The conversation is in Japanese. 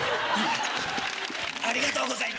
ありがとうござい。